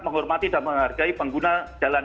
menghormati dan menghargai pengguna jalan